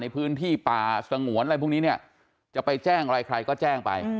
ในพื้นที่ป่าสงวนอะไรพวกนี้เนี่ยจะไปแจ้งอะไรใครก็แจ้งไป